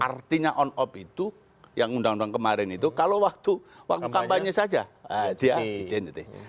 artinya on off itu yang undang undang kemarin itu kalau waktu kampanye saja dia izin